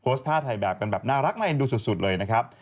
โพสต์ธาตุไทยแบบกันแบบน่ารักในดูสุดเลยนะครับ